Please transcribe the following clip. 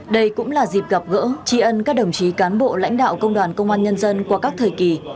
đây cũng là dịp gặp gỡ tri ân các đồng chí cán bộ lãnh đạo công đoàn công an nhân dân qua các thời kỳ